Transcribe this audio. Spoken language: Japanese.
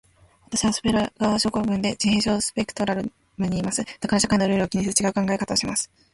私はアスペルガー症候群で、自閉症スペクトラムにいます。だから社会のルールを気にせず、ちがう考え方をします。